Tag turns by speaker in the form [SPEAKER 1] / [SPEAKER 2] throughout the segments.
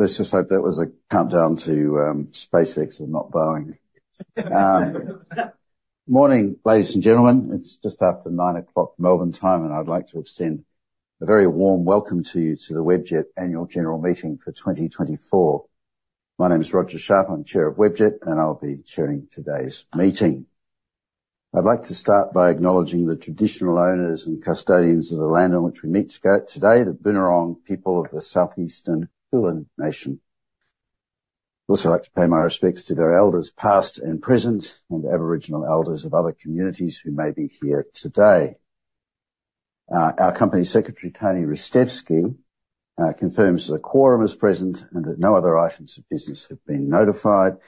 [SPEAKER 1] Let's just hope that was a countdown to SpaceX and not Boeing. Morning, ladies and gentlemen. It's just after 9:00 A.M. Melbourne time, and I'd like to extend a very warm welcome to you to the Webjet Annual General Meeting for 2024. My name is Roger Sharp. I'm Chair of Webjet, and I'll be chairing today's meeting. I'd like to start by acknowledging the traditional owners and custodians of the land on which we meet today, the Boon Wurrung people of the Southeastern Kulin Nation. I'd also like to pay my respects to their elders, past and present, and the Aboriginal elders of other communities who may be here today. Our Company Secretary, Tony Ristevski, confirms the quorum is present and that no other items of business have been notified.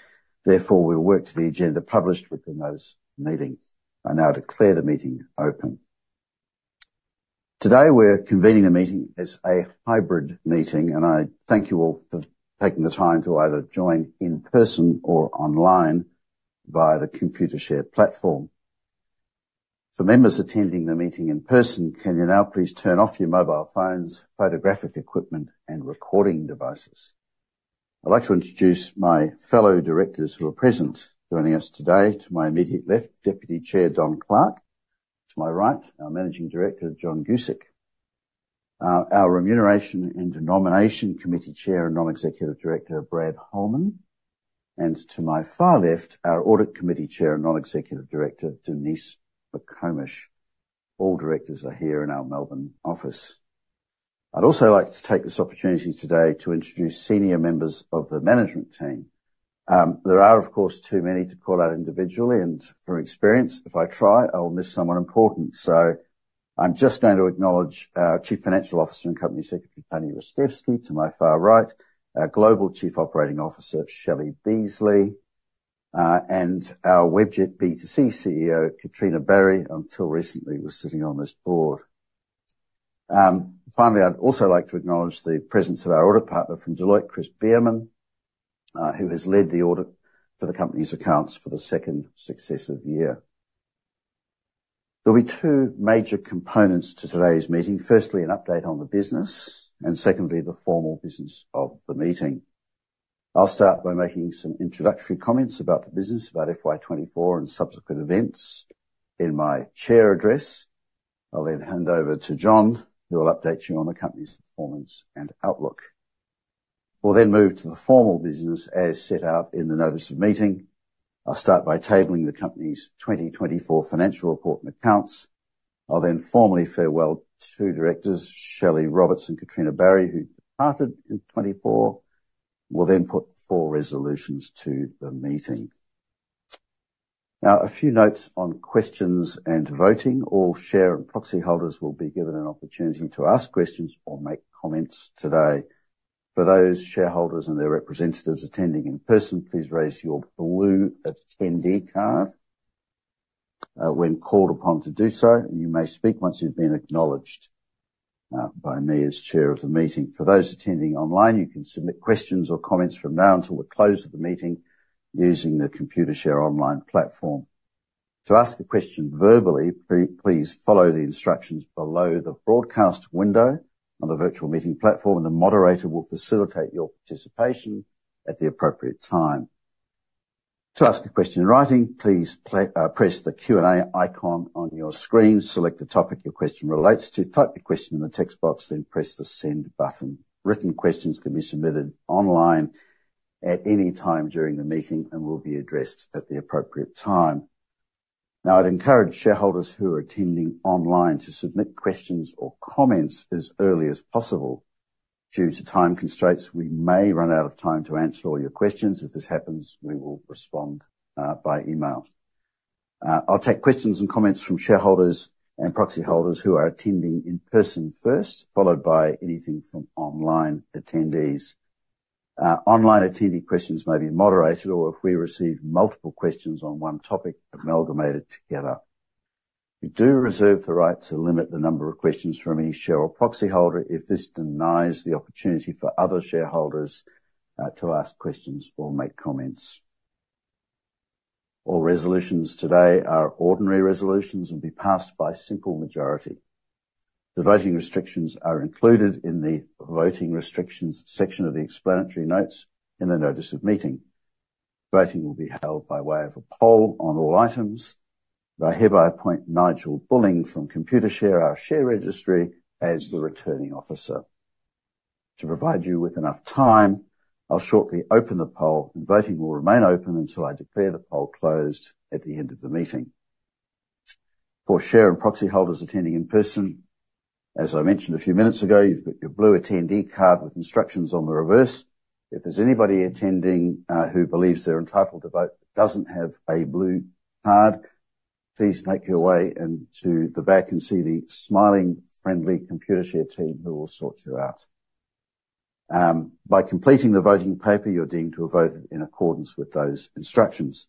[SPEAKER 1] Therefore, we'll work to the agenda published within those meetings. I now declare the meeting open. Today, we're convening the meeting as a hybrid meeting, and I thank you all for taking the time to either join in person or online via the Computershare platform. For members attending the meeting in person, can you now please turn off your mobile phones, photographic equipment, and recording devices? I'd like to introduce my fellow directors who are present. Joining us today, to my immediate left, Deputy Chair Don Clarke. To my right, our Managing Director, John Guscic. Our Remuneration and Nomination Committee Chair and Non-Executive Director, Brad Holman. And to my far left, our Audit Committee Chair and Non-Executive Director, Denise McComish. All directors are here in our Melbourne office. I'd also like to take this opportunity today to introduce senior members of the management team. There are, of course, too many to call out individually, and from experience, if I try, I will miss someone important. So I'm just going to acknowledge our Chief Financial Officer and Company Secretary, Tony Ristevski, to my far right, our Global Chief Operating Officer, Shelley Beasley, and our Webjet B2C CEO, Katrina Barry, until recently, was sitting on this board. Finally, I'd also like to acknowledge the presence of our audit partner from Deloitte, Chris Biermann, who has led the audit for the company's accounts for the second successive year. There'll be two major components to today's meeting. Firstly, an update on the business, and secondly, the formal business of the meeting. I'll start by making some introductory comments about the business, about FY 2024 and subsequent events in my chair address. I'll then hand over to John, who will update you on the company's performance and outlook. We'll then move to the formal business, as set out in the notice of meeting. I'll start by tabling the company's 2024 financial report and accounts. I'll then formally farewell two directors, Shelley Roberts and Katrina Barry, who departed in 2024. We'll then put four resolutions to the meeting. Now, a few notes on questions and voting. All share and proxy holders will be given an opportunity to ask questions or make comments today. For those shareholders and their representatives attending in person, please raise your blue attendee card, when called upon to do so, and you may speak once you've been acknowledged, by me as chair of the meeting. For those attending online, you can submit questions or comments from now until the close of the meeting, using the Computershare online platform. To ask a question verbally, please follow the instructions below the broadcast window on the virtual meeting platform, and the moderator will facilitate your participation at the appropriate time. To ask a question in writing, please press the Q&A icon on your screen, select the topic your question relates to, type your question in the text box, then press the Send button. Written questions can be submitted online at any time during the meeting and will be addressed at the appropriate time. Now, I'd encourage shareholders who are attending online to submit questions or comments as early as possible. Due to time constraints, we may run out of time to answer all your questions. If this happens, we will respond by email. I'll take questions and comments from shareholders and proxy holders who are attending in person first, followed by anything from online attendees. Online attendee questions may be moderated or, if we receive multiple questions on one topic, amalgamated together. We do reserve the right to limit the number of questions from any share or proxy holder if this denies the opportunity for other shareholders to ask questions or make comments. All resolutions today are ordinary resolutions and be passed by simple majority. The voting restrictions are included in the Voting Restrictions section of the explanatory notes in the notice of meeting. Voting will be held by way of a poll on all items. I hereby appoint Nigel Bulling from Computershare, our share registry, as the Returning Officer. To provide you with enough time, I'll shortly open the poll, and voting will remain open until I declare the poll closed at the end of the meeting. For share and proxy holders attending in person, as I mentioned a few minutes ago, you've got your blue attendee card with instructions on the reverse. If there's anybody attending who believes they're entitled to vote, doesn't have a blue card, please make your way into the back and see the smiling, friendly Computershare team, who will sort you out. By completing the voting paper, you're deemed to have voted in accordance with those instructions.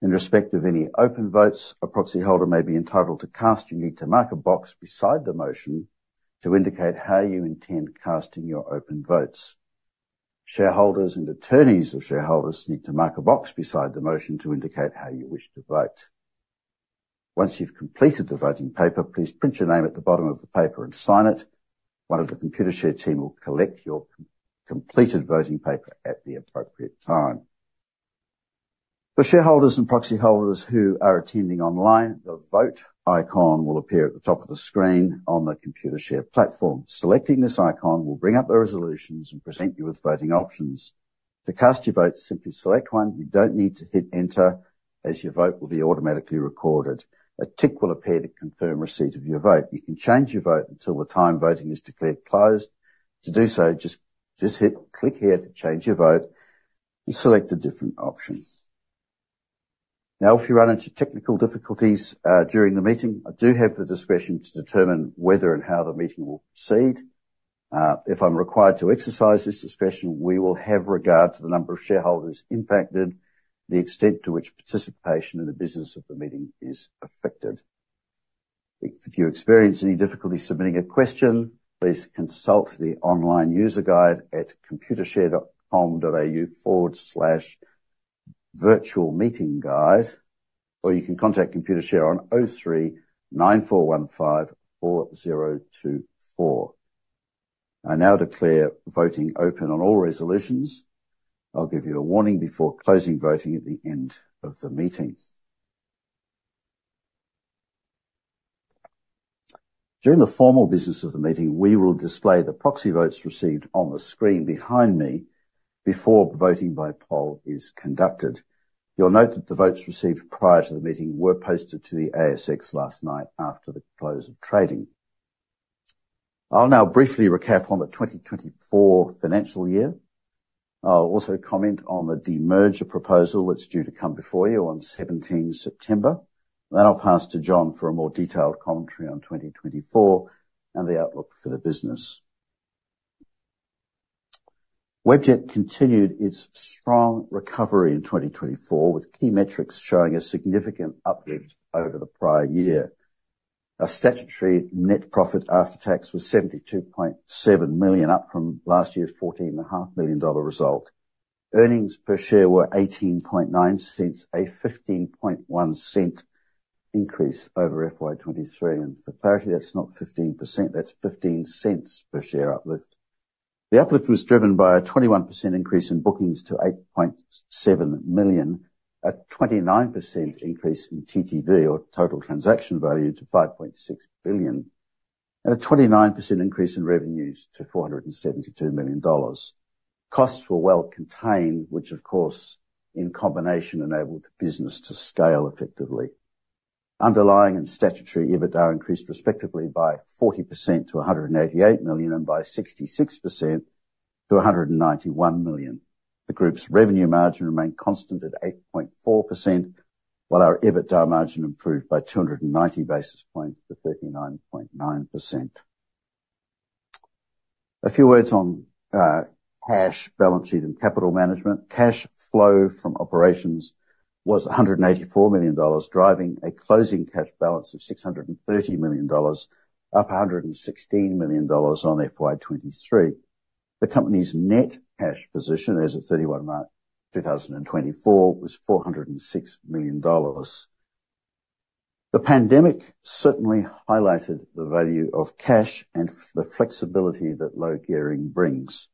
[SPEAKER 1] In respect of any open votes, a proxy holder may be entitled to cast. You need to mark a box beside the motion to indicate how you intend casting your open votes. Shareholders and attorneys of shareholders need to mark a box beside the motion to indicate how you wish to vote. Once you've completed the voting paper, please print your name at the bottom of the paper and sign it. One of the Computershare team will collect your completed voting paper at the appropriate time. For shareholders and proxy holders who are attending online, the Vote icon will appear at the top of the screen on the Computershare platform. Selecting this icon will bring up the resolutions and present you with voting options. To cast your vote, simply select one. You don't need to hit Enter, as your vote will be automatically recorded. A tick will appear to confirm receipt of your vote. You can change your vote until the time voting is declared closed. To do so, just hit click here to change your vote, and select a different option. Now, if you run into technical difficulties during the meeting, I do have the discretion to determine whether and how the meeting will proceed. If I'm required to exercise this discretion, we will have regard to the number of shareholders impacted, the extent to which participation in the business of the meeting is affected. If you experience any difficulty submitting a question, please consult the online user guide at computershare.com.au/virtualmeetingguide, or you can contact Computershare on 03 9415 4024. I now declare voting open on all resolutions. I'll give you a warning before closing voting at the end of the meeting. During the formal business of the meeting, we will display the proxy votes received on the screen behind me before voting by poll is conducted. You'll note that the votes received prior to the meeting were posted to the ASX last night after the close of trading. I'll now briefly recap on the 2024 financial year. I'll also comment on the demerger proposal that's due to come before you on 17th September. Then I'll pass to John for a more detailed commentary on 2024 and the outlook for the business. Webjet continued its strong recovery in 2024, with key metrics showing a significant uplift over the prior year. Our statutory net profit after tax was 72.7 million, up from last year's 14.5 million dollar result. Earnings per share were 0.189, a 15.1 cent increase over FY 2023. And for clarity, that's not 15%, that's 15 cents per share uplift. The uplift was driven by a 21% increase in bookings to 8.7 million, a 29% increase in TTV or total transaction value, to 5.6 billion, and a 29% increase in revenues to $472 million. Costs were well contained, which of course, in combination, enabled the business to scale effectively. Underlying and statutory EBITDA increased, respectively, by 40% to 188 million, and by 66% to 191 million. The group's revenue margin remained constant at 8.4%, while our EBITDA margin improved by 290 basis points to 39.9%. A few words on cash balance sheet and capital management. Cash flow from operations was $184 million, driving a closing cash balance of $630 million, up $116 million on FY 2023. The company's net cash position, as at 31 March 2024, was $406 million. The pandemic certainly highlighted the value of cash and the flexibility that low gearing brings.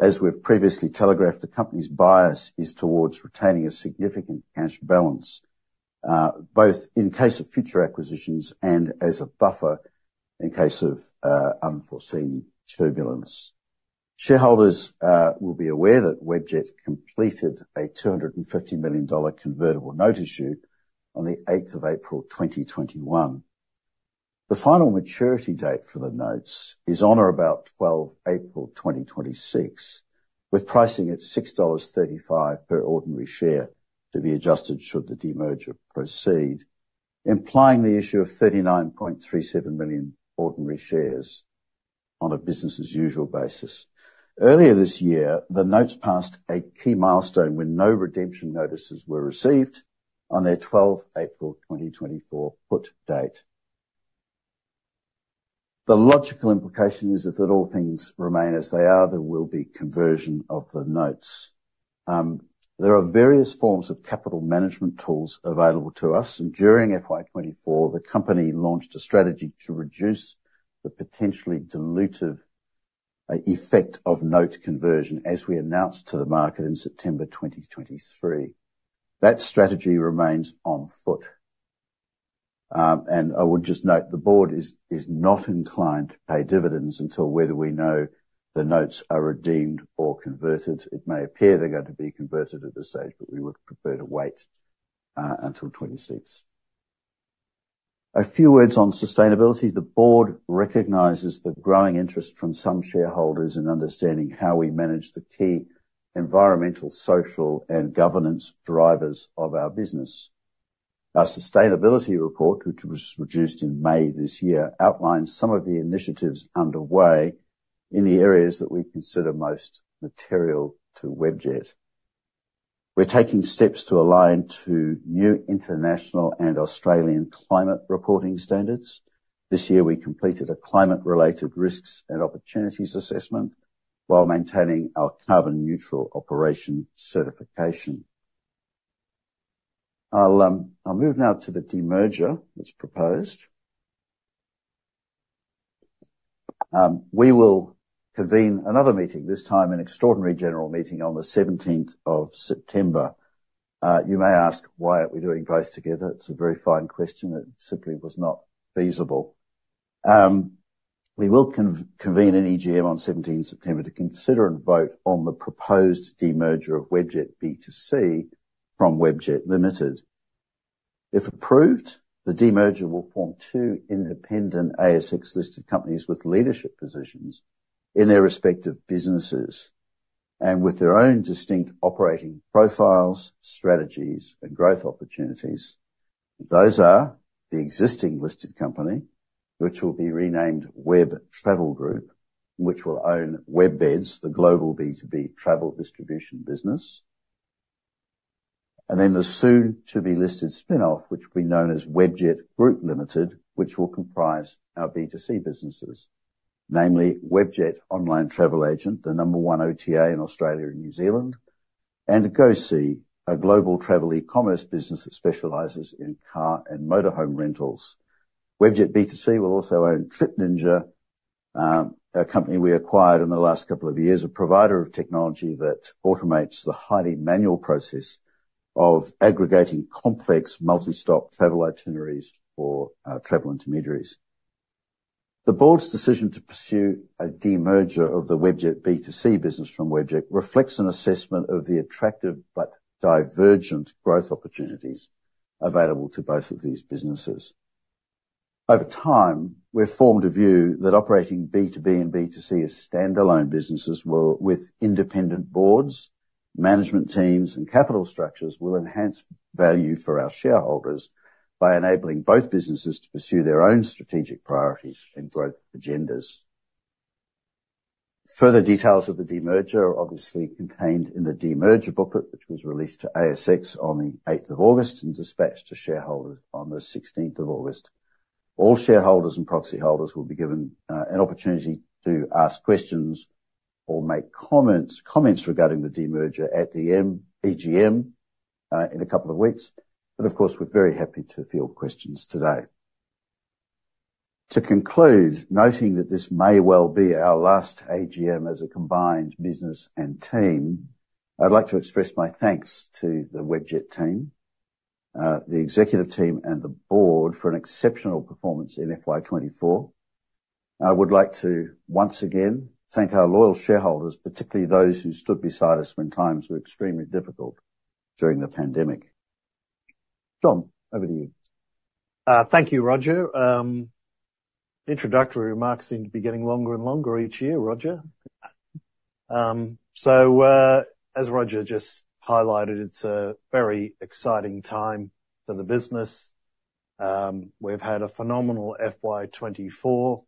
[SPEAKER 1] As we've previously telegraphed, the company's bias is towards retaining a significant cash balance, both in case of future acquisitions and as a buffer in case of unforeseen turbulence. Shareholders will be aware that Webjet completed a $250 million convertible note issue on the 8th of April 2021. The final maturity date for the notes is on or about 12th April 2026, with pricing at 6.35 dollars per ordinary share, to be adjusted should the demerger proceed, implying the issue of 39.37 million ordinary shares on a business as usual basis. Earlier this year, the notes passed a key milestone when no redemption notices were received on their 12th April 2024 put date. The logical implication is that if all things remain as they are, there will be conversion of the notes. There are various forms of capital management tools available to us, and during FY 2024, the company launched a strategy to reduce the potentially dilutive effect of notes conversion, as we announced to the market in September 2023. That strategy remains on foot. And I would just note, the board is not inclined to pay dividends until we know whether the notes are redeemed or converted. It may appear they're going to be converted at this stage, but we would prefer to wait until 2026. A few words on sustainability. The board recognizes the growing interest from some shareholders in understanding how we manage the key environmental, social, and governance drivers of our business. Our sustainability report, which was released in May this year, outlines some of the initiatives underway in the areas that we consider most material to Webjet. We're taking steps to align to new international and Australian climate reporting standards. This year, we completed a climate-related risks and opportunities assessment while maintaining our carbon neutral operation certification. I'll move now to the demerger that's proposed. We will convene another meeting, this time an extraordinary general meeting on the seventeenth of September. You may ask, why aren't we doing both together? It's a very fine question. It simply was not feasible. We will convene an EGM on seventeenth September to consider and vote on the proposed demerger of Webjet B2C from Webjet Limited. If approved, the demerger will form two independent ASX-listed companies with leadership positions in their respective businesses and with their own distinct operating profiles, strategies, and growth opportunities. Those are the existing listed company, which will be renamed Web Travel Group, which will own WebBeds, the global B2B travel distribution business. And then the soon-to-be-listed spinoff, which will be known as Webjet Group Limited, which will comprise our B2C businesses, namely Webjet Online Travel Agent, the number one OTA in Australia and New Zealand, and GoSee, a global travel e-commerce business that specializes in car and motorhome rentals. Webjet B2C will also own TripNinja, a company we acquired in the last couple of years, a provider of technology that automates the highly manual process of aggregating complex multi-stop travel itineraries for travel intermediaries. The board's decision to pursue a demerger of the Webjet B2C business from Webjet reflects an assessment of the attractive but divergent growth opportunities available to both of these businesses. Over time, we've formed a view that operating B2B and B2C as standalone businesses will, with independent boards, management teams, and capital structures, will enhance value for our shareholders by enabling both businesses to pursue their own strategic priorities and growth agendas. Further details of the demerger are obviously contained in the demerger booklet, which was released to ASX on the 8th of August and dispatched to shareholders on the 16th of August. All shareholders and proxy holders will be given an opportunity to ask questions or make comments regarding the demerger at the EGM in a couple of weeks, but of course, we're very happy to field questions today. To conclude, noting that this may well be our last AGM as a combined business and team, I'd like to express my thanks to the Webjet team, the executive team, and the board for an exceptional performance in FY 2024. I would like to once again thank our loyal shareholders, particularly those who stood beside us when times were extremely difficult during the pandemic. John, over to you.
[SPEAKER 2] Thank you, Roger. Introductory remarks seem to be getting longer and longer each year, Roger. So, as Roger just highlighted, it's a very exciting time for the business. We've had a phenomenal FY 2024,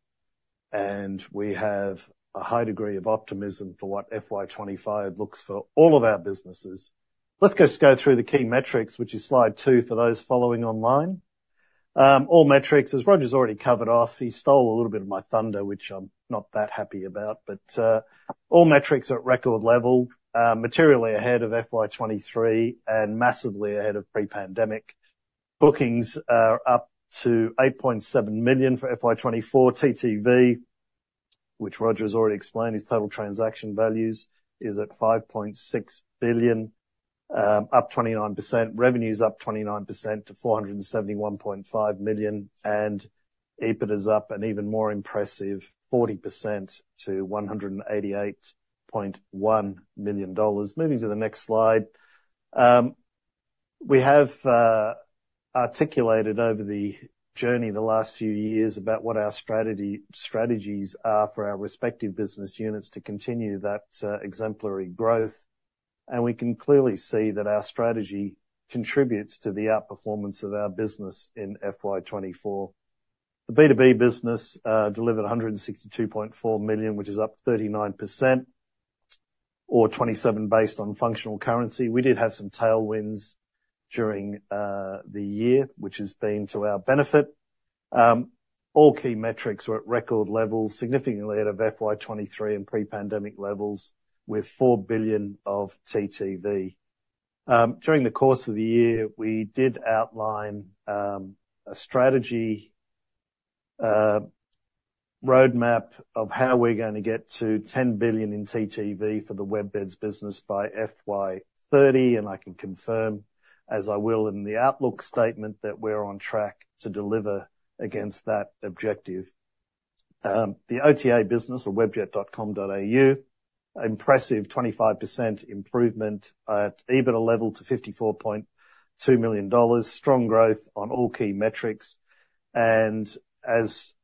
[SPEAKER 2] and we have a high degree of optimism for what FY 2025 looks for all of our businesses. Let's just go through the key metrics, which is slide two for those following online. All metrics, as Roger's already covered off, he stole a little bit of my thunder, which I'm not that happy about, but, all metrics are at record level, materially ahead of FY 2023 and massively ahead of pre-pandemic. Bookings are up to 8.7 million for FY 2024. TTV, which Roger's already explained, is total transaction values, is at 5.6 billion, up 29%. Revenue's up 29% to 471.5 million, and EBIT is up an even more impressive 40% to 188.1 million dollars. Moving to the next slide. We have articulated over the journey the last few years about what our strategy, strategies are for our respective business units to continue that exemplary growth, and we can clearly see that our strategy contributes to the outperformance of our business in FY 2024. The B2B business delivered 162.4 million, which is up 39%, or 27%, based on functional currency. We did have some tailwinds during the year, which has been to our benefit. All key metrics were at record levels, significantly ahead of FY 2023 and pre-pandemic levels, with 4 billion of TTV. During the course of the year, we did outline a strategy roadmap of how we're gonna get to 10 billion in TTV for the WebBeds business by FY 2030, and I can confirm, as I will in the outlook statement, that we're on track to deliver against that objective. The OTA business, or webjet.com.au, impressive 25% improvement at EBITDA level to $54.2 million. Strong growth on all key metrics, and as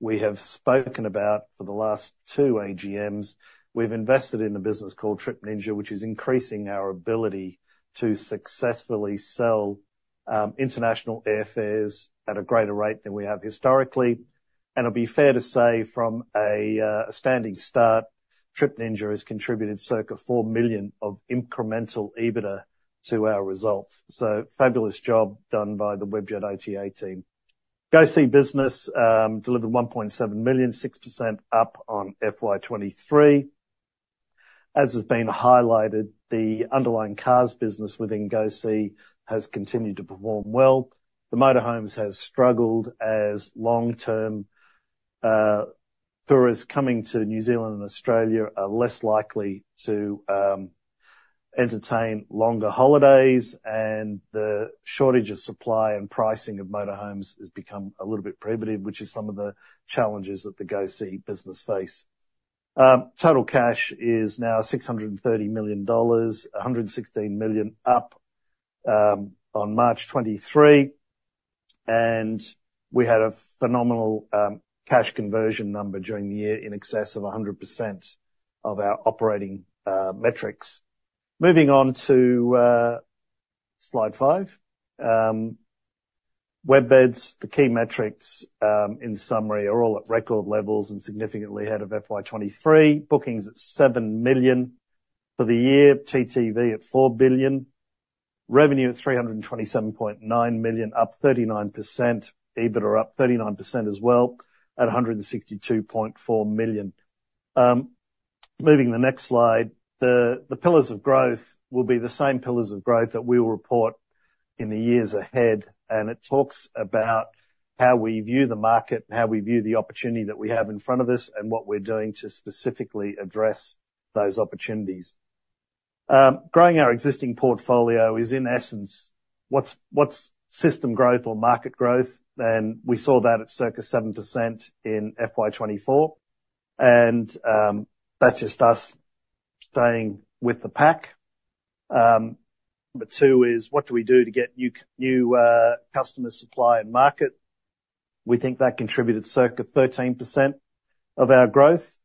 [SPEAKER 2] we have spoken about for the last 2 AGMs, we've invested in a business called TripNinja, which is increasing our ability to successfully sell international airfares at a greater rate than we have historically, and it'll be fair to say, from a standing start, TripNinja has contributed circa $4 million of incremental EBITDA to our results, so fabulous job done by the Webjet OTA team... GoSee business delivered 1.7 million, 6% up on FY 2023. As has been highlighted, the underlying cars business within GoSee has continued to perform well. The motor homes has struggled as long-term tourists coming to New Zealand and Australia are less likely to entertain longer holidays, and the shortage of supply and pricing of motor homes has become a little bit prohibitive, which is some of the challenges that the GoSee business face. Total cash is now 630 million dollars, 116 million up on March 2023, and we had a phenomenal cash conversion number during the year, in excess of 100% of our operating metrics. Moving on to slide 5. WebBeds, the key metrics in summary, are all at record levels and significantly ahead of FY 2023. Bookings at 7 million for the year, TTV at 4 billion, revenue at 327.9 million, up 39%. EBIT are up 39% as well, at 162.4 million. Moving to the next slide, the pillars of growth will be the same pillars of growth that we will report in the years ahead, and it talks about how we view the market and how we view the opportunity that we have in front of us, and what we're doing to specifically address those opportunities. Growing our existing portfolio is, in essence, what's system growth or market growth. Then we saw that at circa 7% in FY 2024, and that's just us staying with the pack. But two is, what do we do to get new customer supply and market? We think that contributed circa 13% of our growth,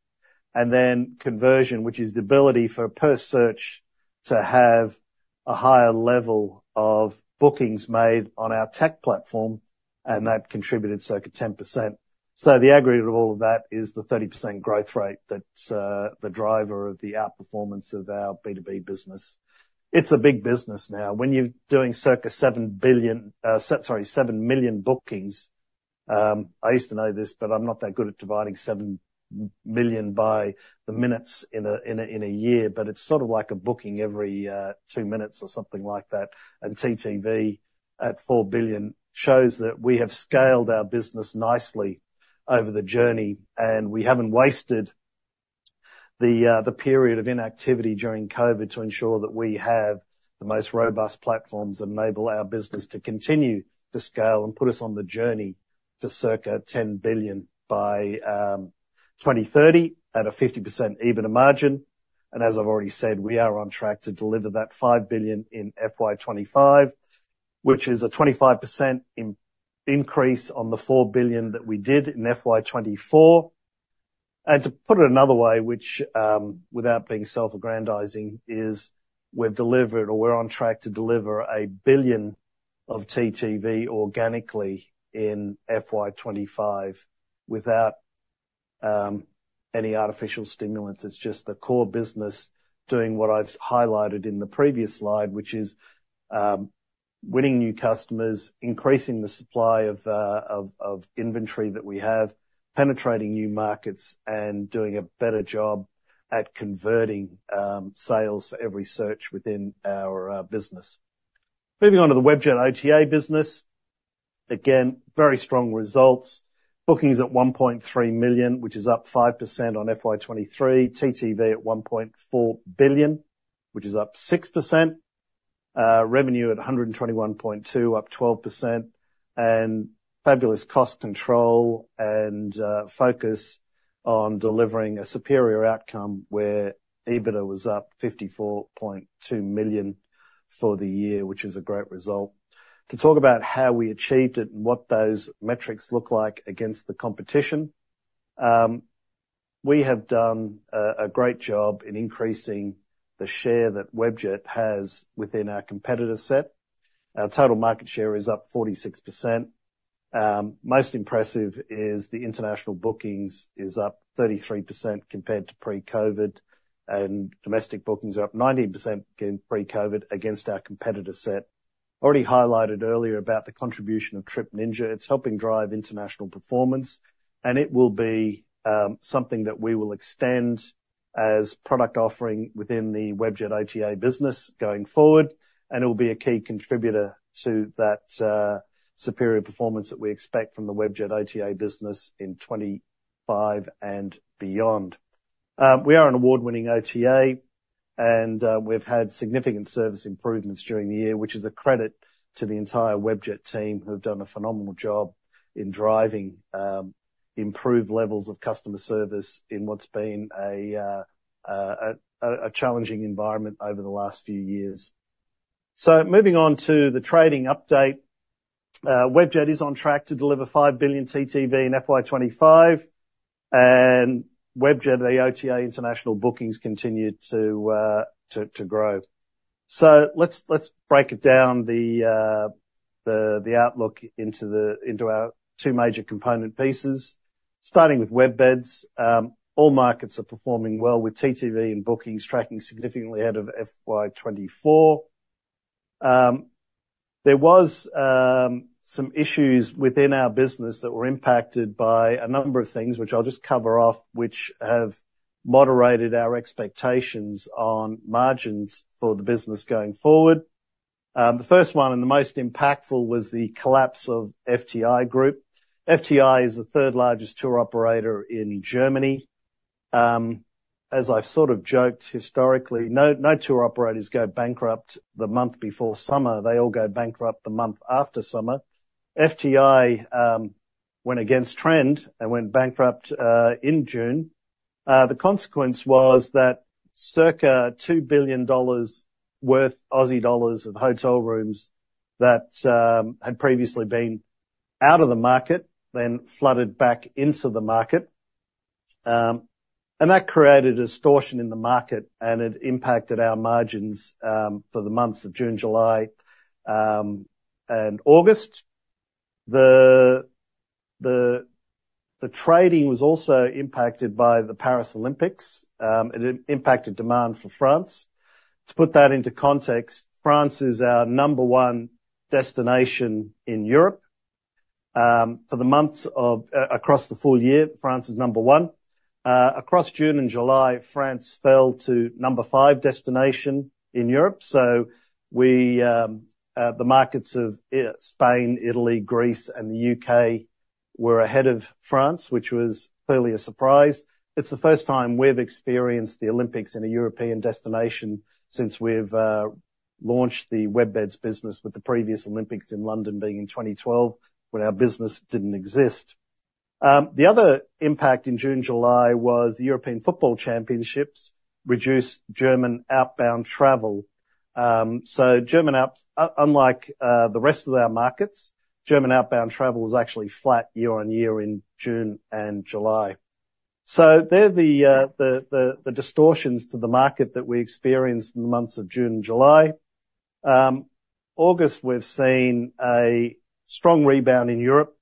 [SPEAKER 2] and then conversion, which is the ability for per search to have a higher level of bookings made on our tech platform, and that contributed circa 10%. So the aggregate of all of that is the 30% growth rate that, the driver of the outperformance of our B2B business. It's a big business now. When you're doing circa 7 billion, 7 million bookings, I used to know this, but I'm not that good at dividing 7 million by the minutes in a year, but it's sort of like a booking every two minutes or something like that. TTV at 4 billion shows that we have scaled our business nicely over the journey, and we haven't wasted the period of inactivity during COVID to ensure that we have the most robust platforms that enable our business to continue to scale and put us on the journey to circa 10 billion by 2030 at a 50% EBITDA margin. As I've already said, we are on track to deliver that 5 billion in FY 2025, which is a 25% increase on the 4 billion that we did in FY 2024. To put it another way, which without being self-aggrandizing, is we've delivered or we're on track to deliver 1 billion of TTV organically in FY 2025 without any artificial stimulants. It's just the core business doing what I've highlighted in the previous slide, which is, winning new customers, increasing the supply of inventory that we have, penetrating new markets, and doing a better job at converting, sales for every search within our business. Moving on to the Webjet OTA business. Again, very strong results. Bookings at 1.3 million, which is up 5% on FY 2023. TTV at 1.4 billion, which is up 6%. Revenue at 121.2 million, up 12%, and fabulous cost control and focus on delivering a superior outcome, where EBITDA was up 54.2 million for the year, which is a great result. To talk about how we achieved it and what those metrics look like against the competition, we have done a great job in increasing the share that Webjet has within our competitor set. Our total market share is up 46%. Most impressive is the international bookings is up 33% compared to pre-COVID, and domestic bookings are up 90% against pre-COVID against our competitor set. Already highlighted earlier about the contribution of TripNinja. It's helping drive international performance, and it will be something that we will extend as product offering within the Webjet OTA business going forward, and it will be a key contributor to that superior performance that we expect from the Webjet OTA business in 2025 and beyond. We are an award-winning OTA, and we've had significant service improvements during the year, which is a credit to the entire Webjet team, who have done a phenomenal job in driving improved levels of customer service in what's been a challenging environment over the last few years. So moving on to the trading update, Webjet is on track to deliver five billion TTV in FY 2025, and Webjet, the OTA international bookings, continue to grow. So let's break it down, the outlook into our two major component pieces. Starting with WebBeds, all markets are performing well with TTV and bookings tracking significantly out of FY 2024. There was some issues within our business that were impacted by a number of things, which I'll just cover off, which have moderated our expectations on margins for the business going forward. The first one, and the most impactful, was the collapse of FTI Group. FTI is the third largest tour operator in Germany. As I've sort of joked historically, no, no tour operators go bankrupt the month before summer. They all go bankrupt the month after summer. FTI went against trend and went bankrupt in June. The consequence was that circa 2 billion dollars worth of hotel rooms that had previously been out of the market then flooded back into the market, and that created a distortion in the market, and it impacted our margins for the months of June, July, and August. The trading was also impacted by the Paris Olympics. It impacted demand for France. To put that into context, France is our number one destination in Europe. For the months of across the full year, France is number one. Across June and July, France fell to number five destination in Europe. So the markets of Spain, Italy, Greece, and the U.K. were ahead of France, which was clearly a surprise. It's the first time we've experienced the Olympics in a European destination since we've launched the WebBeds business, with the previous Olympics in London being in 2012, when our business didn't exist. The other impact in June and July was the European Football Championships reduced German outbound travel. So unlike the rest of our markets, German outbound travel was actually flat year-on-year in June and July. So they're the distortions to the market that we experienced in the months of June and July. August, we've seen a strong rebound in Europe.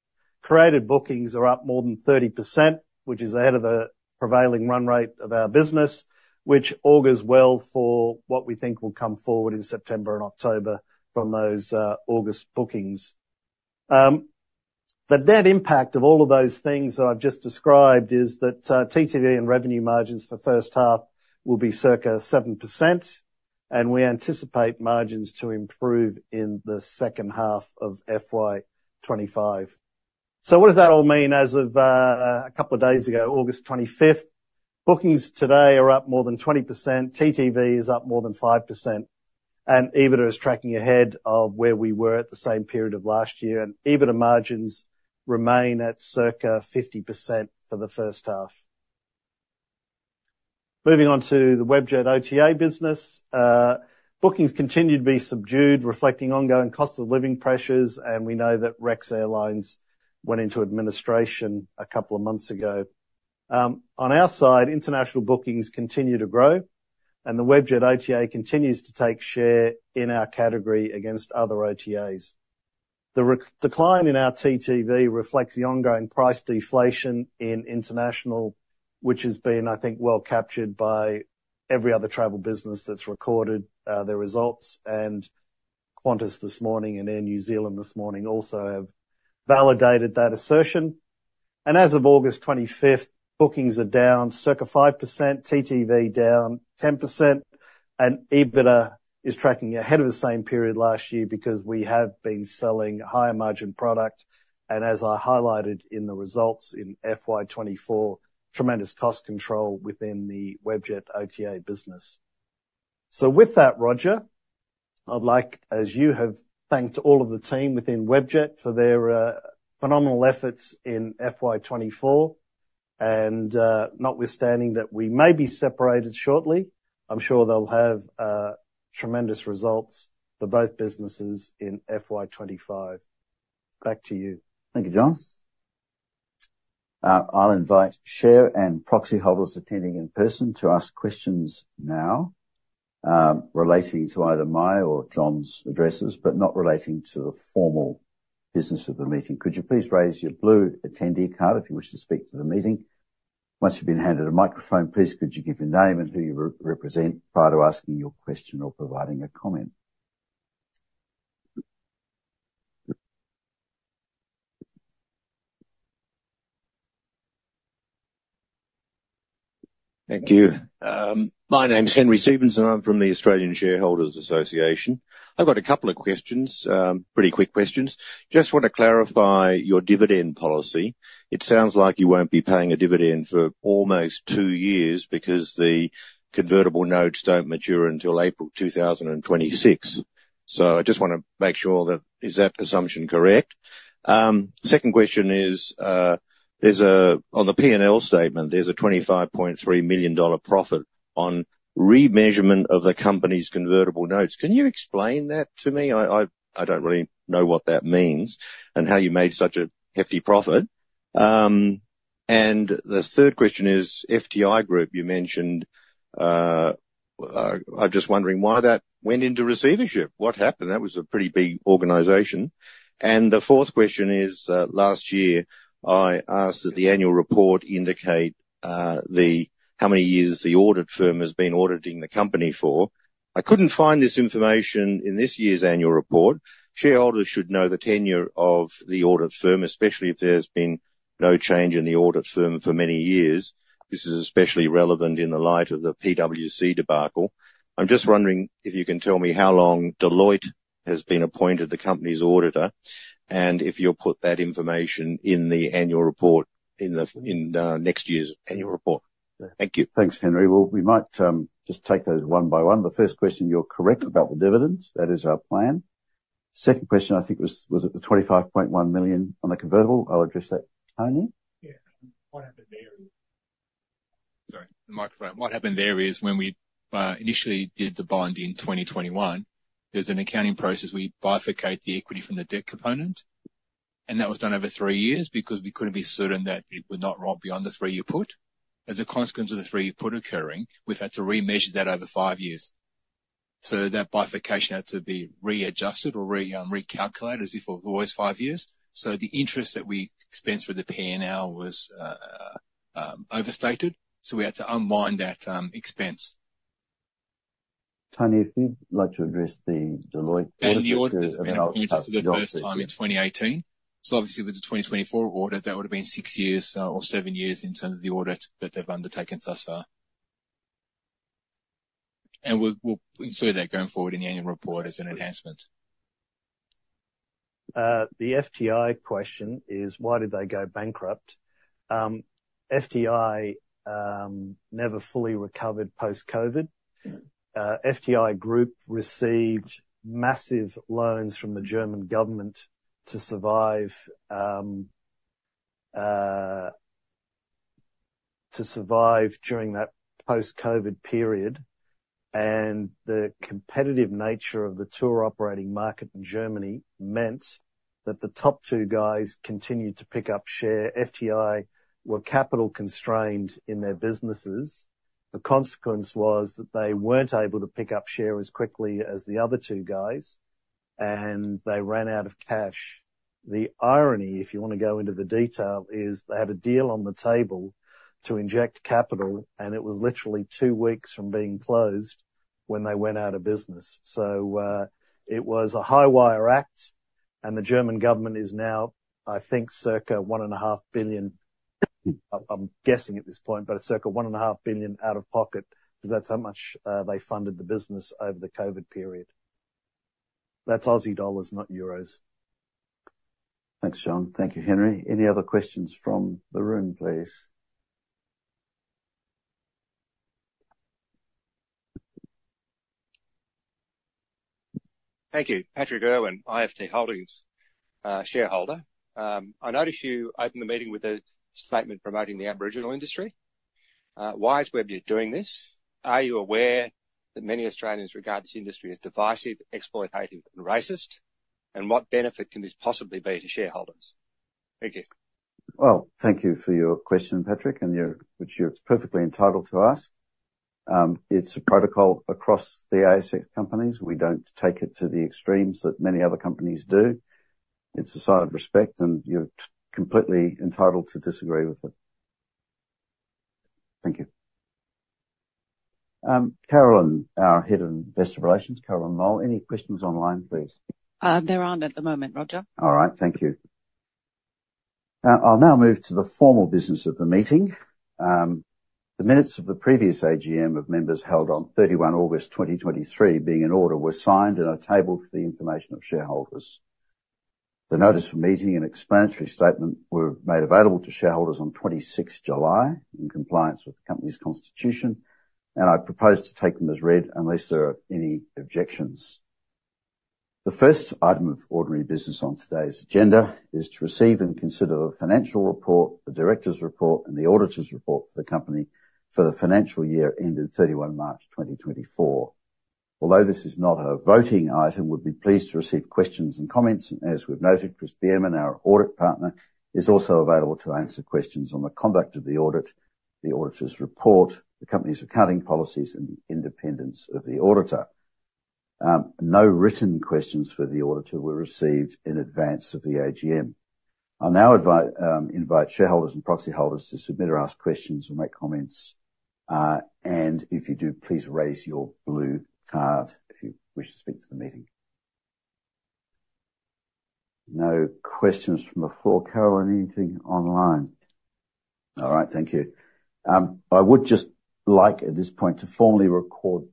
[SPEAKER 2] Created bookings are up more than 30%, which is ahead of the prevailing run rate of our business, which augurs well for what we think will come forward in September and October from those August bookings. The net impact of all of those things that I've just described is that TTV and revenue margins for the first half will be circa 7%, and we anticipate margins to improve in the second half of FY 2025. So what does that all mean? As of a couple of days ago, August 25th, bookings today are up more than 20%, TTV is up more than 5%, and EBITDA is tracking ahead of where we were at the same period of last year, and EBITDA margins remain at circa 50% for the first half. Moving on to the Webjet OTA business. Bookings continue to be subdued, reflecting ongoing cost of living pressures, and we know that Rex Airlines went into administration a couple of months ago. On our side, international bookings continue to grow, and the Webjet OTA continues to take share in our category against other OTAs. The decline in our TTV reflects the ongoing price deflation in international, which has been, I think, well captured by every other travel business that's recorded their results, and Qantas this morning and Air New Zealand this morning also have validated that assertion. As of August 25th, bookings are down circa 5%, TTV down 10%, and EBITDA is tracking ahead of the same period last year because we have been selling higher margin product, and as I highlighted in the results in FY 2024, tremendous cost control within the Webjet OTA business. With that, Roger, I'd like, as you have thanked all of the team within Webjet for their phenomenal efforts in FY 2024, and, notwithstanding that we may be separated shortly, I'm sure they'll have tremendous results for both businesses in FY 2025. Back to you.
[SPEAKER 1] Thank you, John. I'll invite share and proxy holders attending in person to ask questions now, relating to either my or John's addresses, but not relating to the formal business of the meeting. Could you please raise your blue attendee card if you wish to speak to the meeting? Once you've been handed a microphone, please could you give your name and who you represent prior to asking your question or providing a comment?
[SPEAKER 3] Thank you. My name is Henry Stephens. I'm from the Australian Shareholders Association. I've got a couple of questions, pretty quick questions. Just want to clarify your dividend policy. It sounds like you won't be paying a dividend for almost two years because the convertible notes don't mature until April 2026. So I just want to make sure that, is that assumption correct? Second question is, on the P&L statement, there's a 25.3 million dollar profit on remeasurement of the company's convertible notes. Can you explain that to me? I don't really know what that means and how you made such a hefty profit. And the third question is FTI Group. You mentioned, I'm just wondering why that went into receivership. What happened? That was a pretty big organization. And the fourth question is, last year, I asked that the annual report indicate, the, how many years the audit firm has been auditing the company for. I couldn't find this information in this year's annual report. Shareholders should know the tenure of the audit firm, especially if there's been no change in the audit firm for many years. This is especially relevant in the light of the PwC debacle. I'm just wondering if you can tell me how long Deloitte has been appointed the company's auditor, and if you'll put that information in the annual report in the, in, next year's annual report. Thank you.
[SPEAKER 1] Thanks, Henry. We might just take those one by one. The first question, you're correct about the dividends. That is our plan. Second question, I think was it the 25.1 million on the convertible? I'll address that. Tony?
[SPEAKER 4] Yeah, what happened there? Sorry, the microphone. What happened there is when we initially did the bond in 2021, there's an accounting process where we bifurcate the equity from the debt component, and that was done over three years because we couldn't be certain that it would not run beyond the three-year put. As a consequence of the three-year put occurring, we've had to remeasure that over five years. So that bifurcation had to be readjusted or re, recalculated, as if it was five years. So the interest that we expensed with the P&L was overstated, so we had to unwind that expense.
[SPEAKER 1] Tony, if you'd like to address the Deloitte-
[SPEAKER 4] The audit has been appointed for the first time in 2018. Obviously, with the 2024 audit, that would have been six years or seven years in terms of the audit that they've undertaken thus far. We'll include that going forward in the annual report as an enhancement.
[SPEAKER 2] The FTI question is, why did they go bankrupt? FTI never fully recovered post-COVID. FTI Group received massive loans from the German government to survive during that post-COVID period, and the competitive nature of the tour operating market in Germany meant that the top two guys continued to pick up share. FTI were capital constrained in their businesses. The consequence was that they weren't able to pick up share as quickly as the other two guys, and they ran out of cash. The irony, if you want to go into the detail, is they had a deal on the table to inject capital, and it was literally two weeks from being closed when they went out of business. It was a high wire act, and the German government is now, I think, circa 1.5 billion. I'm guessing at this point, but circa 1.5 billion out of pocket, because that's how much they funded the business over the COVID period. That's Aussie dollars, not euros.
[SPEAKER 3] Thanks, John.
[SPEAKER 1] Thank you, Henry. Any other questions from the room, please?
[SPEAKER 3] Thank you. Patrick Irwin, IFT Holdings, shareholder. I notice you opened the meeting with a statement promoting the Aboriginal industry. Why is Webjet doing this? Are you aware that many Australians regard this industry as divisive, exploitative, and racist? And what benefit can this possibly be to shareholders? Thank you.
[SPEAKER 1] Thank you for your question, Patrick, and which you're perfectly entitled to ask. It's a protocol across the ASX companies. We don't take it to the extremes that many other companies do. It's a sign of respect, and you're completely entitled to disagree with it. Thank you. Carolyn, our head of investor relations, Carolyn Mole, any questions online, please?
[SPEAKER 5] There aren't at the moment, Roger.
[SPEAKER 1] All right. Thank you. I'll now move to the formal business of the meeting. The minutes of the previous AGM of members held on 31 August 2023, being in order, were signed and are tabled for the information of shareholders. The notice for meeting and explanatory statement were made available to shareholders on 26th July, in compliance with the company's constitution, and I propose to take them as read, unless there are any objections. The first item of ordinary business on today's agenda is to receive and consider the financial report, the director's report, and the auditor's report for the company for the financial year ending 31 March 2024. Although this is not a voting item, we'll be pleased to receive questions and comments. As we've noted, Chris Biermann, our Audit Partner, is also available to answer questions on the conduct of the audit, the auditor's report, the company's accounting policies, and the independence of the auditor. No written questions for the auditor were received in advance of the AGM. I'll now invite shareholders and proxy holders to submit or ask questions or make comments, and if you do, please raise your blue card if you wish to speak to the meeting. No questions from the floor. Carolyn, anything online? All right. Thank you. I would just like, at this point, to formally record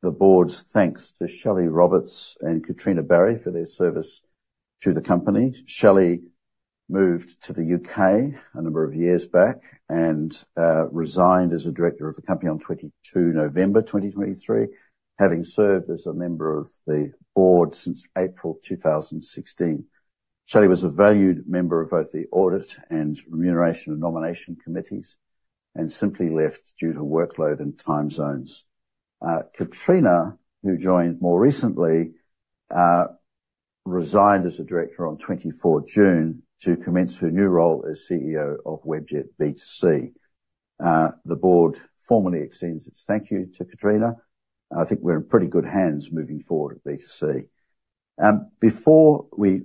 [SPEAKER 1] the board's thanks to Shelley Roberts and Katrina Barry for their service to the company. Shelley moved to the UK a number of years back and resigned as a director of the company on 22 November 2023, having served as a member of the board since April 2016. Shelley was a valued member of both the audit and remuneration and nomination committees and simply left due to workload and time zones. Katrina, who joined more recently, resigned as a director on 24 June to commence her new role as CEO of Webjet B2C. The board formally extends its thank you to Katrina. I think we're in pretty good hands moving forward at B2C. Before we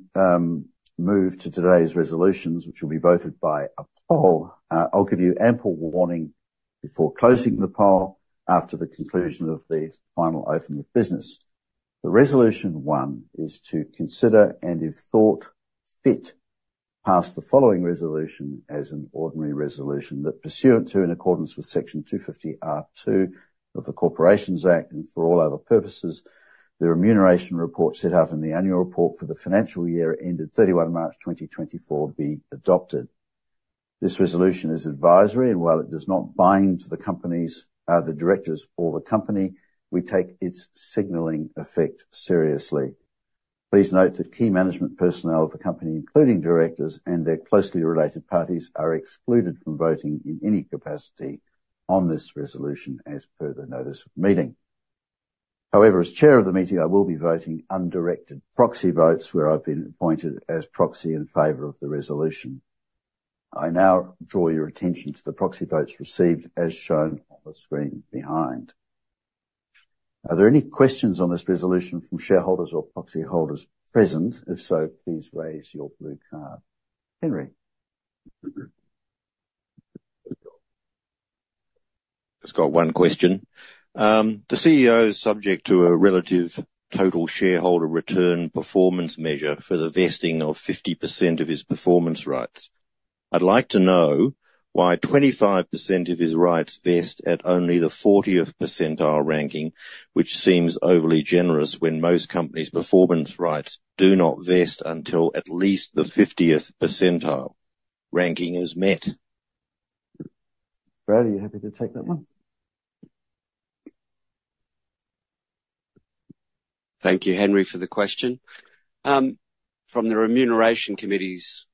[SPEAKER 1] move to today's resolutions, which will be voted by a poll, I'll give you ample warning before closing the poll after the conclusion of the final open of business. The Resolution One is to consider, and if thought fit, pass the following resolution as an ordinary resolution that pursuant to, in accordance with Section 250R(2) of the Corporations Act, and for all other purposes, the remuneration report set out in the annual report for the financial year ended 31 March 2024, be adopted. This resolution is advisory, and while it does not bind the companies, the directors or the company, we take its signaling effect seriously. Please note that key management personnel of the company, including directors and their closely related parties, are excluded from voting in any capacity on this resolution as per the notice of meeting. However, as chair of the meeting, I will be voting undirected proxy votes, where I've been appointed as proxy in favor of the resolution. I now draw your attention to the proxy votes received, as shown on the screen behind. Are there any questions on this resolution from shareholders or proxy holders present? If so, please raise your blue card. Henry?
[SPEAKER 3] Just got one question. The CEO is subject to a relative total shareholder return performance measure for the vesting of 50% of his performance rights. I'd like to know why 25% of his rights vest at only the fortieth percentile ranking, which seems overly generous when most companies' performance rights do not vest until at least the 50th percentile ranking is met.
[SPEAKER 1] Brad, are you happy to take that one?
[SPEAKER 6] Thank you, Henry, for the question. From the Remuneration Committee's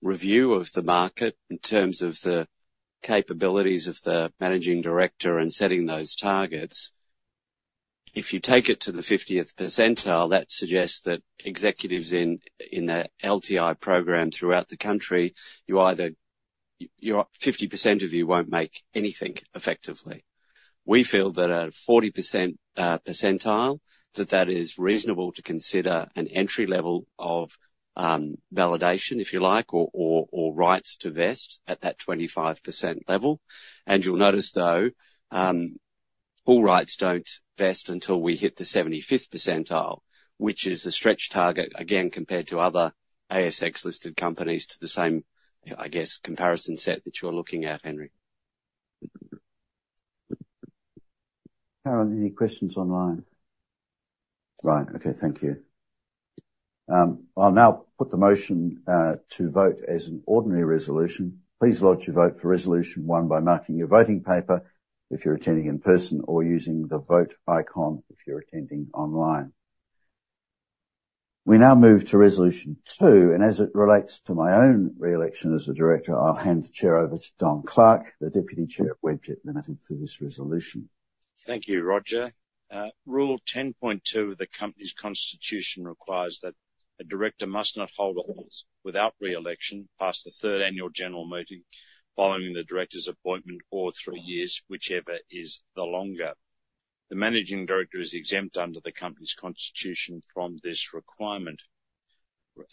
[SPEAKER 6] review of the market in terms of the capabilities of the managing director and setting those targets, if you take it to the 50th percentile, that suggests that executives in a LTI program throughout the country, 50% of you won't make anything effectively. We feel that a 40th percentile that is reasonable to consider an entry level of validation, if you like, or rights to vest at that 25% level. And you'll notice, though, all rights don't vest until we hit the 75th percentile, which is the stretch target, again, compared to other ASX-listed companies, to the same, I guess, comparison set that you're looking at, Henry.
[SPEAKER 1] Karen, any questions online? Right. Okay, thank you. I'll now put the motion to vote as an ordinary resolution. Please lodge your vote for resolution one by marking your voting paper if you're attending in person, or using the Vote icon if you're attending online. We now move to resolution two, and as it relates to my own re-election as a director, I'll hand the chair over to Don Clarke, the Deputy Chair at Webjet Limited, for this resolution.
[SPEAKER 7] Thank you, Roger. Rule 10.2 of the company's constitution requires that a director must not hold office without re-election past the third annual general meeting, following the director's appointment or three years, whichever is the longer. The Managing Director is exempt under the company's constitution from this requirement.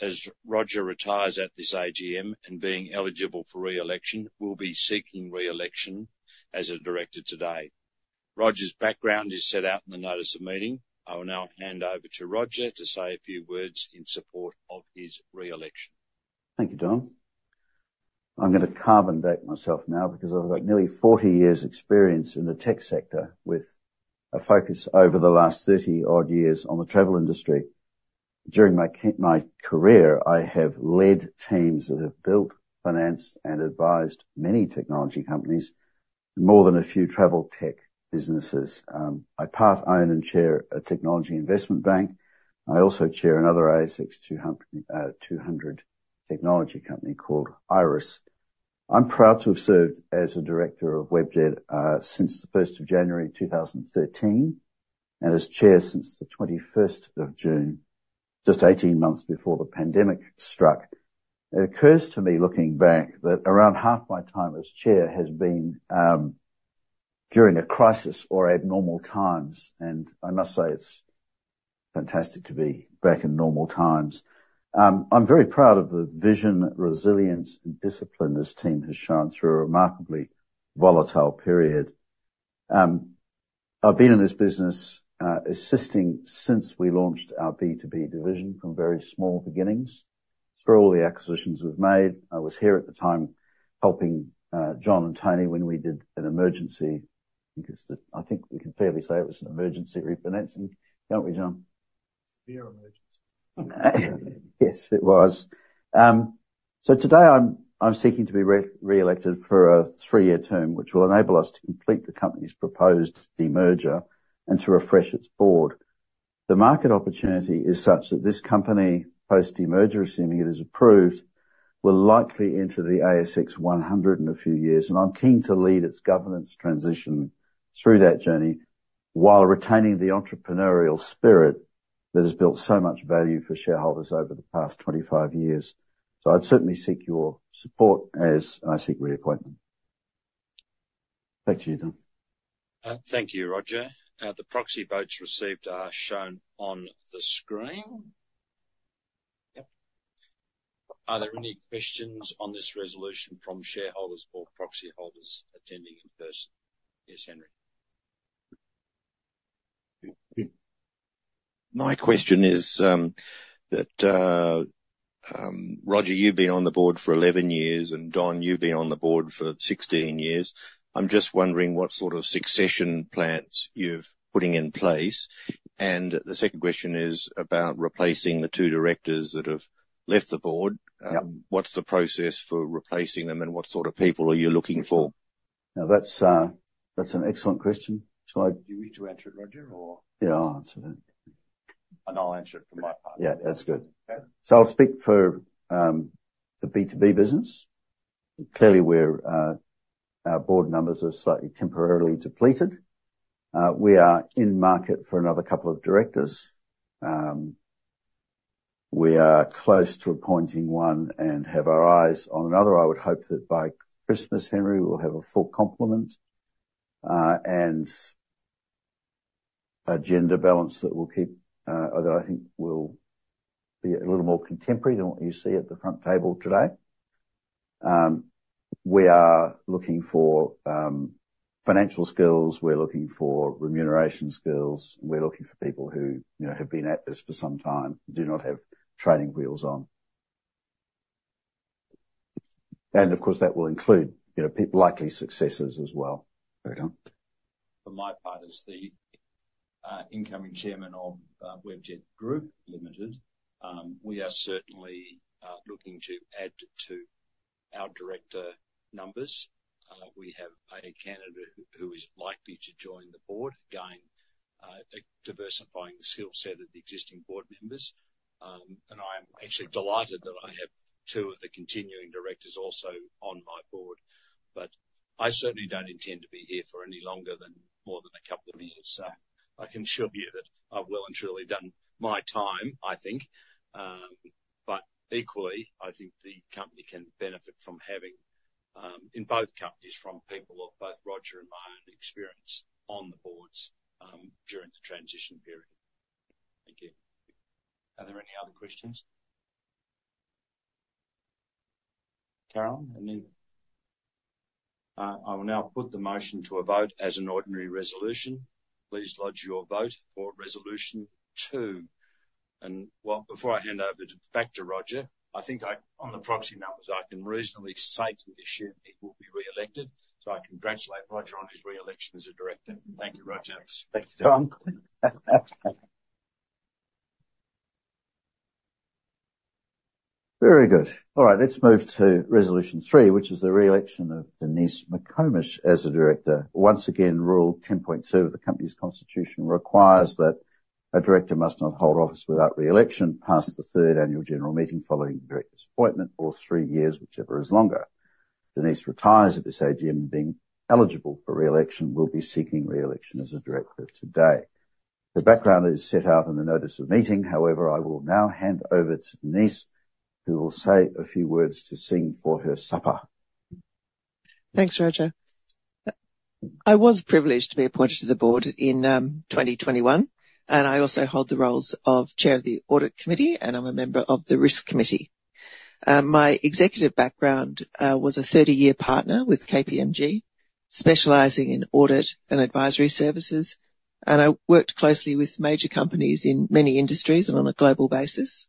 [SPEAKER 7] As Roger retires at this AGM, and being eligible for re-election, will be seeking re-election as a director today. Roger's background is set out in the notice of meeting. I will now hand over to Roger to say a few words in support of his re-election.
[SPEAKER 1] Thank you, Don. I'm going to carbon date myself now, because I've got nearly 40 years' experience in the tech sector, with a focus over the last 30-odd years on the travel industry. During my career, I have led teams that have built, financed, and advised many technology companies, more than a few travel tech businesses. I part-own and chair a technology investment bank. I also chair another ASX 200 technology company called Iress. I'm proud to have served as a director of Webjet since the first of January 2013, and as chair since the 21st of June, just 18 months before the pandemic struck. It occurs to me, looking back, that around half my time as chair has been during a crisis or abnormal times, and I must say, it's fantastic to be back in normal times. I'm very proud of the vision, resilience, and discipline this team has shown through a remarkably volatile period. I've been in this business, assisting since we launched our B2B division from very small beginnings. Through all the acquisitions we've made, I was here at the time, helping John and Tony when we did an emergency. I think we can fairly say it was an emergency refinancing, can't we, John?
[SPEAKER 2] Fair emergency.
[SPEAKER 1] Yes, it was. So today, I'm seeking to be re-elected for a three-year term, which will enable us to complete the company's proposed demerger and to refresh its board. The market opportunity is such that this company, post demerger, assuming it is approved will likely enter the ASX one hundred in a few years, and I'm keen to lead its governance transition through that journey, while retaining the entrepreneurial spirit that has built so much value for shareholders over the past 25 years. So I'd certainly seek your support as I seek reappointment. Back to you, Don.
[SPEAKER 7] Thank you, Roger. The proxy votes received are shown on the screen. Yep. Are there any questions on this resolution from shareholders or proxy holders attending in person? Yes, Henry.
[SPEAKER 3] My question is, Roger, you've been on the board for 11 years, and Don, you've been on the board for 16 years. I'm just wondering what sort of succession plans you're putting in place. And the second question is about replacing the two directors that have left the board.
[SPEAKER 1] Yep.
[SPEAKER 3] What's the process for replacing them, and what sort of people are you looking for?
[SPEAKER 1] Now, that's, that's an excellent question. Shall I-
[SPEAKER 7] Do you need to answer it, Roger, or?
[SPEAKER 1] Yeah, I'll answer that.
[SPEAKER 7] And I'll answer it from my part.
[SPEAKER 1] Yeah, that's good.
[SPEAKER 7] Okay.
[SPEAKER 1] So I'll speak for the B2B business. Clearly, our board numbers are slightly temporarily depleted. We are in market for another couple of directors. We are close to appointing one and have our eyes on another. I would hope that by Christmas, Henry, we'll have a full complement and a gender balance that I think will be a little more contemporary than what you see at the front table today. We are looking for financial skills, we're looking for remuneration skills, we're looking for people who, you know, have been at this for some time and do not have training wheels on. And, of course, that will include, you know, likely successes as well. Over to Don.
[SPEAKER 7] For my part, as the incoming chairman of Webjet Group Limited, we are certainly looking to add to our director numbers. We have a candidate who is likely to join the board, diversifying the skill set of the existing board members. And I am actually delighted that I have two of the continuing directors also on my board. But I certainly don't intend to be here for any longer than more than a couple of years. So I can assure you that I've well and truly done my time, I think. But equally, I think the company can benefit from having, in both companies, from people of both Roger and my own experience on the boards, during the transition period. Thank you. Are there any other questions? Carolyn, any? I will now put the motion to a vote as an ordinary resolution. Please lodge your vote for Resolution Two. Before I hand over back to Roger, I think, on the proxy numbers, I can reasonably safely assume he will be reelected. I congratulate Roger on his reelection as a director. Thank you, Roger.
[SPEAKER 1] Thanks, Don. Very good. All right, let's move to Resolution Three, which is the reelection of Denise McComish as a director. Once again, Rule Ten Point Two of the company's constitution requires that a director must not hold office without reelection past the third annual general meeting following the director's appointment, or three years, whichever is longer. Denise retires at this AGM, and being eligible for reelection, will be seeking reelection as a director today. The background is set out in the notice of meeting. However, I will now hand over to Denise, who will say a few words to sing for her supper.
[SPEAKER 8] Thanks, Roger. I was privileged to be appointed to the board in 2021, and I also hold the roles of chair of the audit committee, and I'm a member of the risk committee. My executive background was a 30-year partner with KPMG, specializing in audit and advisory services, and I worked closely with major companies in many industries and on a global basis.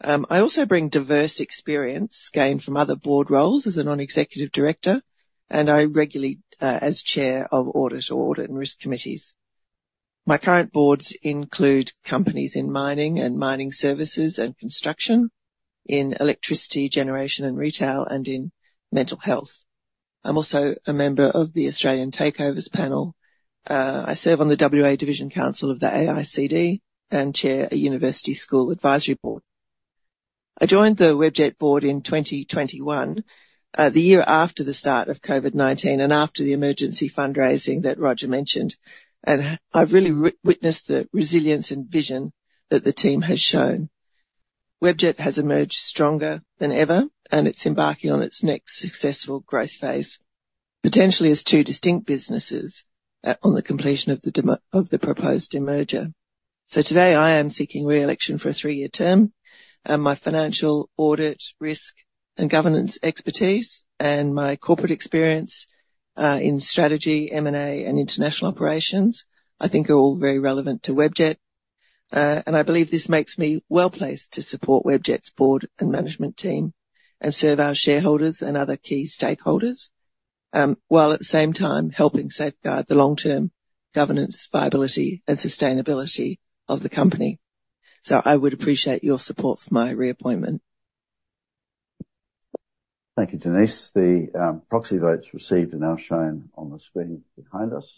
[SPEAKER 8] I also bring diverse experience gained from other board roles as a non-executive director, and I regularly as chair of audit or audit and risk committees. My current boards include companies in mining and mining services and construction, in electricity generation and retail, and in mental health. I'm also a member of the Australian Takeovers Panel. I serve on the WA Division Council of the AICD and chair a university school advisory board. I joined the Webjet board in 2021, the year after the start of COVID-19 and after the emergency fundraising that Roger mentioned, and I've really witnessed the resilience and vision that the team has shown. Webjet has emerged stronger than ever, and it's embarking on its next successful growth phase, potentially as two distinct businesses, on the completion of the proposed demerger. So today, I am seeking reelection for a three-year term. My financial audit, risk, and governance expertise, and my corporate experience, in strategy, M&A, and international operations, I think are all very relevant to Webjet. And I believe this makes me well-placed to support Webjet's board and management team and serve our shareholders and other key stakeholders, while at the same time, helping safeguard the long-term governance, viability, and sustainability of the company. So I would appreciate your support for my reappointment.
[SPEAKER 1] Thank you, Denise. The proxy votes received are now shown on the screen behind us.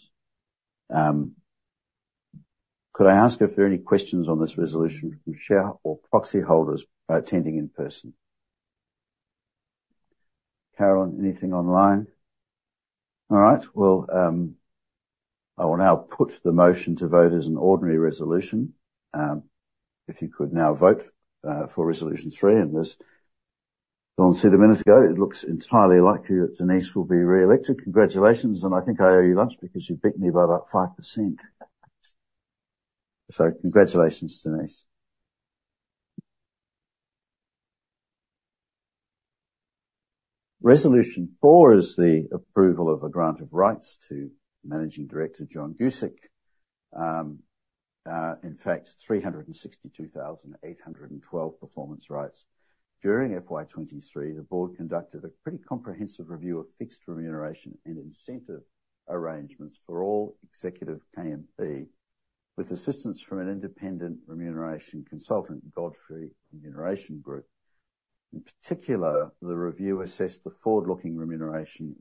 [SPEAKER 1] Could I ask if there are any questions on this resolution from shareholder or proxy holders attending in person? Carolyn, anything online? All right. Well, I will now put the motion to vote as an ordinary resolution. If you could now vote for resolution three, and as John said a minute ago, it looks entirely likely that Denise will be reelected. Congratulations, and I think I owe you lunch because you beat me by about 5%. So congratulations, Denise. Resolution Four is the approval of a grant of rights to Managing Director John Guscic. In fact, 362,812 performance rights. During FY 2023, the board conducted a pretty comprehensive review of fixed remuneration and incentive arrangements for all executive KMP, with assistance from an independent remuneration consultant, Godfrey Remuneration Group. In particular, the review assessed the forward-looking remuneration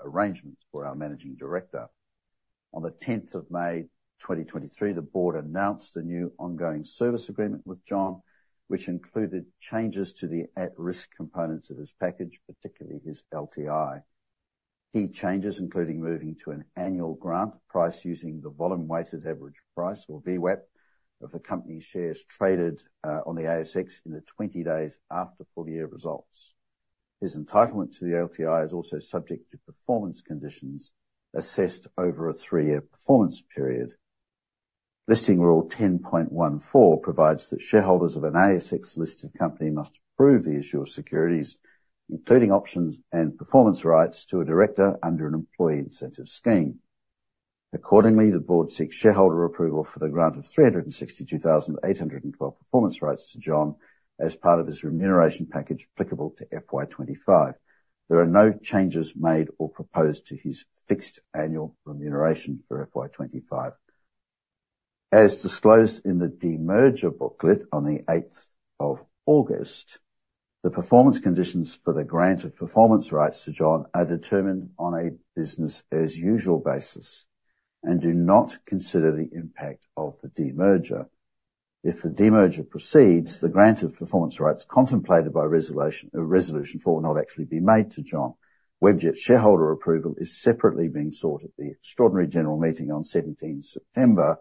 [SPEAKER 1] arrangements for our managing director. On the 10 of May, 2023, the board announced a new ongoing service agreement with John, which included changes to the at-risk components of his package, particularly his LTI. Key changes including moving to an annual grant priced using the volume weighted average price, or VWAP, of the company's shares traded on the ASX in the 20 days after full year results. His entitlement to the LTI is also subject to performance conditions assessed over a 3-year performance period. Listing Rule 10.14 provides that shareholders of an ASX-listed company must approve the issue of securities, including options and performance rights, to a director under an employee incentive scheme. Accordingly, the board seeks shareholder approval for the grant of 362,812 performance rights to John as part of his remuneration package applicable to FY 2025. There are no changes made or proposed to his fixed annual remuneration for FY 2025. As disclosed in the demerger booklet on the 8th of August, the performance conditions for the grant of performance rights to John are determined on a business as usual basis and do not consider the impact of the demerger. If the demerger proceeds, the grant of performance rights contemplated by resolution four will not actually be made to John. Webjet shareholder approval is separately being sought at the extraordinary general meeting on 17th September,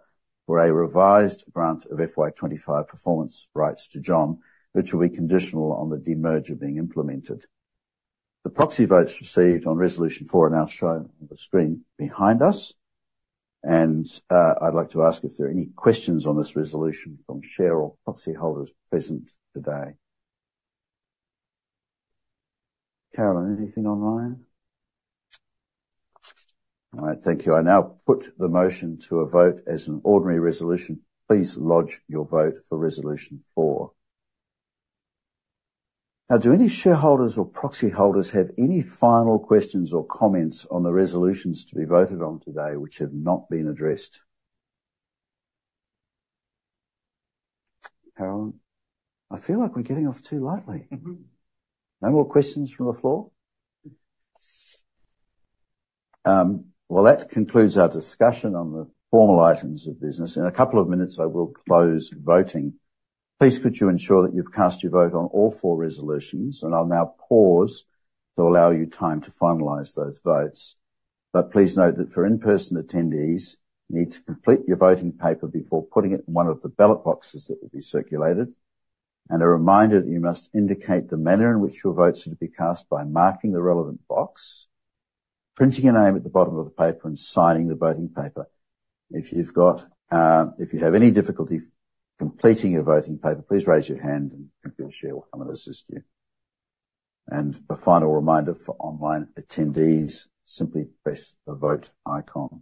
[SPEAKER 1] for a revised grant of FY 2025 performance rights to John, which will be conditional on the demerger being implemented. The proxy votes received on resolution four are now shown on the screen behind us, and I'd like to ask if there are any questions on this resolution from shareholder or proxy holders present today. Carolyn, anything online? All right, thank you. I now put the motion to a vote as an ordinary resolution. Please lodge your vote for Resolution Four. Now, do any shareholders or proxy holders have any final questions or comments on the resolutions to be voted on today, which have not been addressed? Carolyn, I feel like we're getting off too lightly. No more questions from the floor? Well, that concludes our discussion on the formal items of business. In a couple of minutes, I will close voting. Please, could you ensure that you've cast your vote on all four resolutions, and I'll now pause to allow you time to finalize those votes. But please note that for in-person attendees, you need to complete your voting paper before putting it in one of the ballot boxes that will be circulated. And a reminder that you must indicate the manner in which your votes are to be cast by marking the relevant box, printing your name at the bottom of the paper, and signing the voting paper. If you have any difficulty completing your voting paper, please raise your hand, and Computershare will come and assist you. And a final reminder for online attendees, simply press the Vote icon.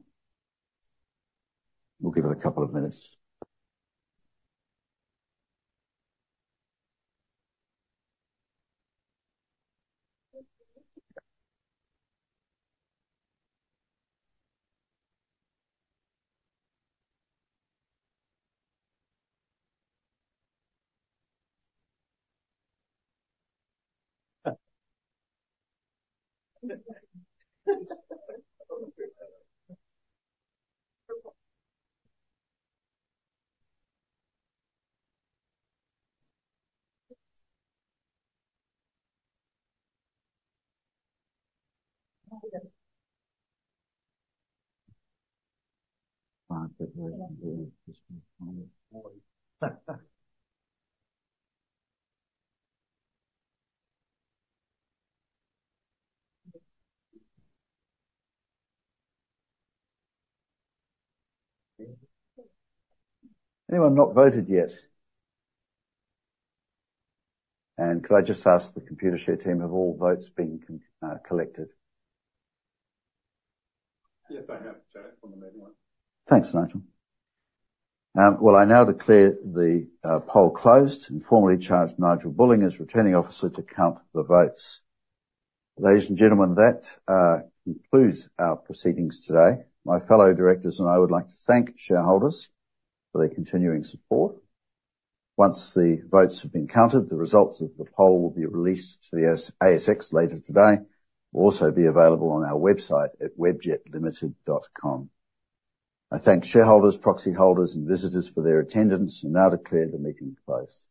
[SPEAKER 1] We'll give it a couple of minutes. Anyone not voted yet? And could I just ask the Computershare team, have all votes been collected?
[SPEAKER 9] Yes, they have, Chair, from the main one.
[SPEAKER 1] Thanks, Nigel. Well, I now declare the poll closed and formally charge Nigel Bulling as Returning Officer to count the votes. Ladies and gentlemen, that concludes our proceedings today. My fellow directors and I would like to thank shareholders for their continuing support. Once the votes have been counted, the results of the poll will be released to the ASX later today, will also be available on our website at webjetlimited.com. I thank shareholders, proxy holders and visitors for their attendance and now declare the meeting closed.